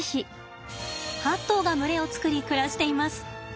８頭が群れを作り暮らしています。